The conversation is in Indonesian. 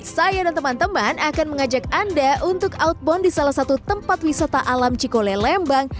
saya dan teman teman akan mengajak anda untuk outbound di salah satu tempat wisata alam cikole lembang